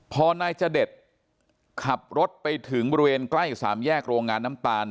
พอนายจเดชขับรถไปถึงบริเวณใกล้สามแยกโรงงานน้ำตาล